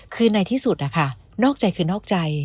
คือในที่สุดนะคะนอกใจคือนอกใจ